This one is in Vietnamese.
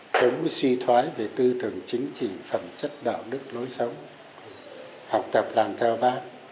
không suy thoái về tư tưởng chính trị phẩm chất đạo đức lối sống học tập làm theo bác